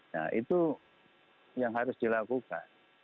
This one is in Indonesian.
nah itu yang harus dilakukan